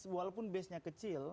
walaupun base nya kecil